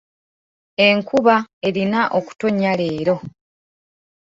Enkuba erina okutonnya leero.